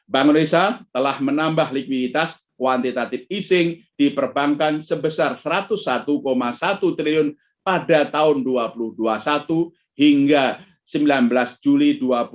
bank indonesia telah menambah likuiditas kuantitatif easing di perbankan sebesar rp satu ratus satu satu triliun pada tahun dua ribu dua puluh satu hingga sembilan belas juli dua ribu dua puluh